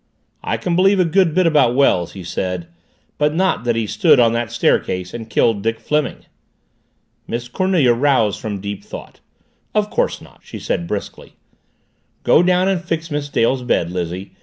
"I can believe a good bit about Wells," he said, "but not that he stood on that staircase and killed Dick Fleming." Miss Cornelia roused from deep thought. "Of course not," she said briskly. "Go down and fix Miss Dale's bed, Lizzie.